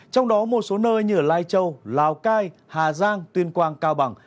trong đó một số nơi như lai châu lào cai hà giang tuyên quang cao bằng